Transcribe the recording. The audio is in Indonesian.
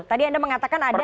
tadi anda mengatakan ada